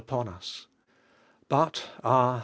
upon us." But, ah!